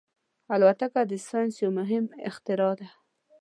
الوتکه د ساینس یو مهم اختراع ده.